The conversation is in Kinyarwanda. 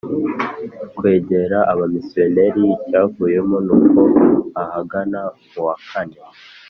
kwegera abamisiyoneri Icyavuyemo nuko ahagana mu wa kane